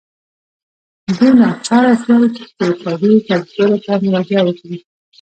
دوی ناچاره شول چې ښاري کسبګرو ته مراجعه وکړي.